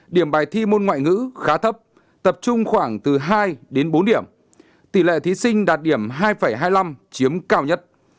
điểm bài thi môn ngoại ngữ khá thấp tập trung khoảng từ hai đến bốn điểm tỷ lệ thí sinh đạt điểm hai hai mươi năm chiếm cao nhất